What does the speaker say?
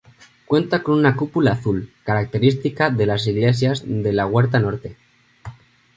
Cuenta con una cúpula azul, característica de las iglesias de la Huerta Norte.